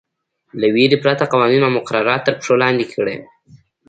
له وېرې پرته قوانین او مقررات تر پښو لاندې کړي.